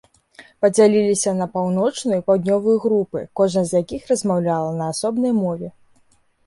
Падзяляліся на паўночную і паўднёвую групы, кожная з якіх размаўляла на асобнай мове.